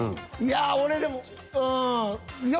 いや俺でもうん。